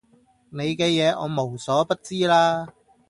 你嘅嘢我無所不知啦